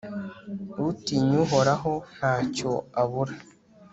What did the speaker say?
utinya uhoraho nta cyo abura